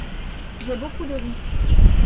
J'ai beaucoup de riz.